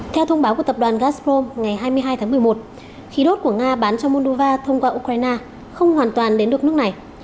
theo thông báo của tập đoàn gazprom ngày hai mươi hai tháng một mươi một khí đốt của nga bán cho moldova thông qua ukraine không hoàn toàn đến được nước này